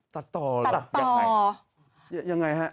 ตัดต่อหรืออย่างไรยังไงฮะ